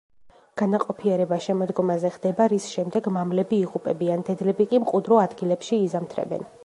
განაყოფიერება შემოდგომაზე ხდება, რის შემდეგ მამლები იღუპებიან, დედლები კი მყუდრო ადგილებში იზამთრებენ.